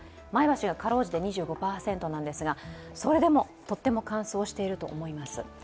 前橋がかろうじて２５％ですがそれでもとっても乾燥していると思います。